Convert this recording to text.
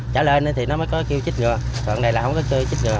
trả lên thì nó mới có kêu chích ngừa còn này là không có kêu chích ngừa